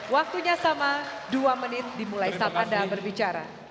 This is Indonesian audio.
waktunya sama dua menit dimulai saat anda berbicara